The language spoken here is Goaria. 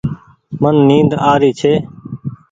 من نيد آري ڇي ۔